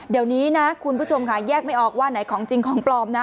เดี๋ยวนี้นะคุณผู้ชมค่ะแยกไม่ออกว่าไหนของจริงของปลอมนะ